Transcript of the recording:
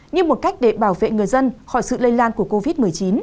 như một cách để bảo vệ người dân khỏi sự lây lan của covid một mươi chín